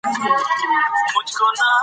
زه د دې تاریخي پېښو په اړه فکر کوم.